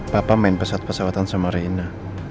papa main pesawat pesawatan sama reina